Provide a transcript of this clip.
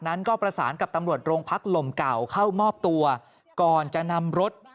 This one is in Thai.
นั้นก็ประสานกับตำรวจโรงพักลมเก่าเข้ามอบตัวก่อนจะนำรถ